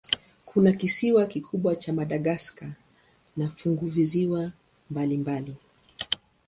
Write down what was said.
Kuna kisiwa kikubwa cha Madagaska na funguvisiwa mbalimbali.